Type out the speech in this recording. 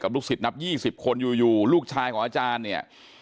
ลูกศิษย์นับ๒๐คนอยู่ลูกชายของอาจารย์เนี่ย